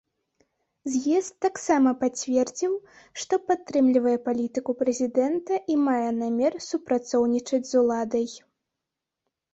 З'езд таксама пацвердзіў, што падтрымлівае палітыку прэзідэнта і мае намер супрацоўнічаць з уладай.